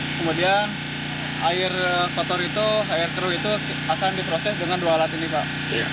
kemudian air kotor itu air keruh itu akan diproses dengan dua alat ini pak